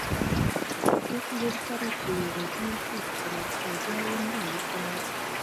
دې خبرو سره چیني غوږونه بوڅ کړل او بیا یې مړاوي کړل.